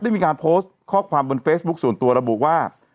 มีการโพสต์ข้อความบนเฟซบุ๊คส่วนตัวระบุว่า